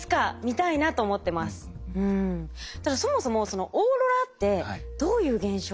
ただそもそもオーロラってどういう現象なんですか？